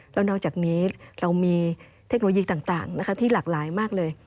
แล้วนอกจากนี้เรามีเทคโนโลยีต่างนะคะที่หลากหลายมากเลย